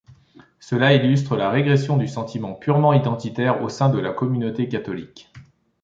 Cela illustre la régression du sentiment purement identitaire au sein de la communauté catholique.